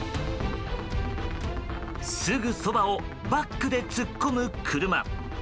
すぐそばをバックで突っ込む車。